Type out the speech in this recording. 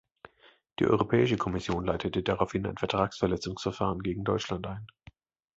Die Europäische Kommission leitete daraufhin ein Vertragsverletzungsverfahren gegen Deutschland ein.